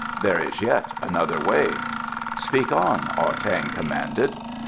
There is yet another way." "Speak on," Ah tang commanded.